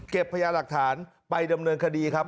พญาหลักฐานไปดำเนินคดีครับ